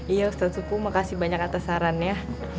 iya ustaz supu makasih banyak atas sarannya